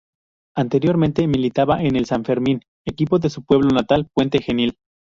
Anteriormente militaba en el San Fermín equipo de su pueblo natal Puente Genil.